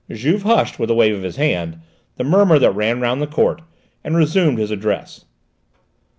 Juve hushed, with a wave of his hand, the murmur that ran round the court, and resumed his address.